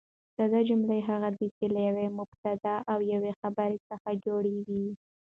ساده جمله هغه ده، چي له یوه مبتداء او یوه خبر څخه جوړه يي.